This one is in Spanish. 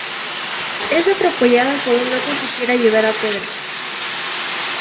Es atropellado por un loco que quiere "ayudar" a Pedro.